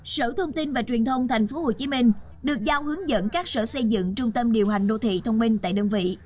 sở thông tin và truyền thông tp hcm được giao hướng dẫn các sở xây dựng trung tâm điều hành đô thị thông minh tại đơn vị